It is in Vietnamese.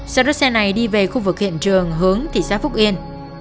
sau đó xe này đi về khu vực hiện trường hướng thị xã phúc yên